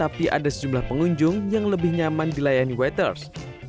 tapi ada sejumlah pengunjung yang lebih nyaman dilayani waters